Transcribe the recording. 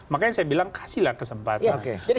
makanya saya bilang kasihlah kesempatan